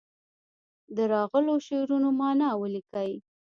د راغلو شعرونو معنا ولیکي.